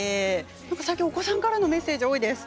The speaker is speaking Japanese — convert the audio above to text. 最近、お子さんからのメッセージが多いです。